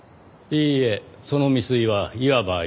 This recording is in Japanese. いいえその未遂はいわば呼び水。